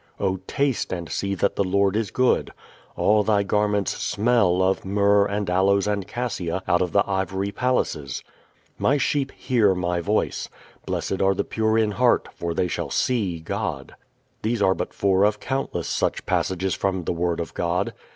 "O taste and see that the Lord is good." "All thy garments smell of myrrh, and aloes, and cassia, out of the ivory palaces." "My sheep hear my voice." "Blessed are the pure in heart, for they shall see God." These are but four of countless such passages from the Word of God.